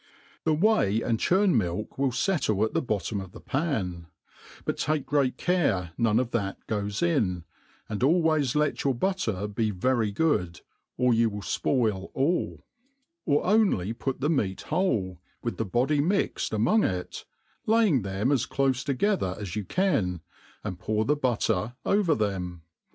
The whey and churn milk will fettle at the botton^ of the pan ; but take great care none of that goes in, and always let your butter be very good, or you will (^oil all ; or only put the meat whole, with the body'mixed among it, laying them as clofe together as you can, and pOur th^'butter over them.